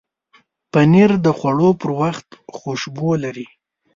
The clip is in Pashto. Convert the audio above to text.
پنېر د خوړلو پر وخت خوشبو لري.